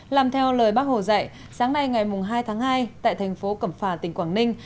làm theo lời bác hồ dạy sáng nay ngày hai tháng hai tại thành phố cẩm phả tỉnh quảng ninh